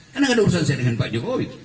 karena gak ada urusan saya dengan pak jokowi